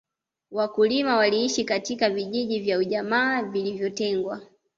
wakulima waliishi katika vijiji vya ujamaa vilivyotengwa